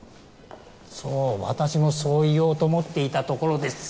そう私もそう言おうと思っていたところです。